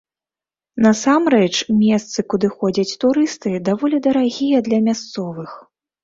Насамрэч, месцы, куды ходзяць турысты, даволі дарагія для мясцовых.